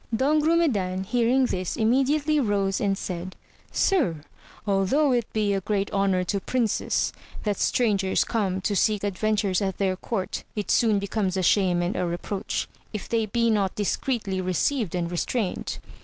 Don Grumedan hearing this im mediately rose and said. Sir, although it be a great honour to princes, that strangers come to seek adven tures at their court, it soon becomes a shame and a reproach, if they be not discreetly received and restrained.